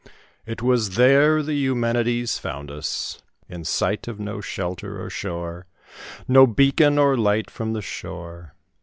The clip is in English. It was there the Eumenides[M] found us, In sight of no shelter or shore No beacon or light from the shore.